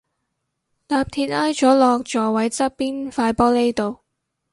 搭鐵挨咗落座位側邊塊玻璃度